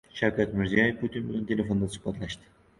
Shavkat Mirziyoyev Putin bilan telefonda suhbatlashdi